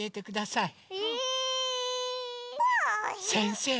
せんせい！